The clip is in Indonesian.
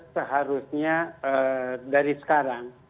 seharusnya dari sekarang